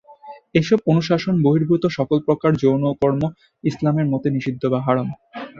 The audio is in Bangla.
এইসব অনুশাসন বহির্ভূত সকল প্রকার যৌনকর্ম ইসলামী মতে নিষিদ্ধ বা হারাম।